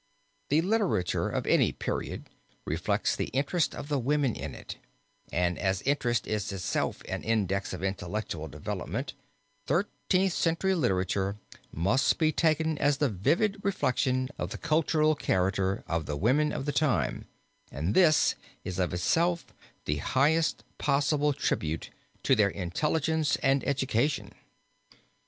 The literature of any period reflects the interest of the women in it and, as interest is itself an index of intellectual development, Thirteenth Century literature must be taken as the vivid reflection of the cultural character of the women of the time, and this is of itself the highest possible tribute to their intelligence and education.